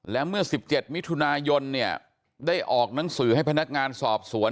และเมื่อ๑๗มิถุนายนเนี่ยได้ออกหนังสือให้พนักงานสอบสวน